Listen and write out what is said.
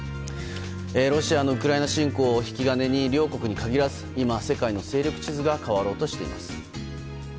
ロシアのウクライナ侵攻を引き金に両国に限らず今、世界の勢力地図が変わろうとしています。